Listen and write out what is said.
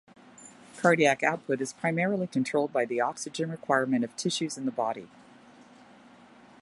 Cardiac output is primarily controlled by the oxygen requirement of tissues in the body.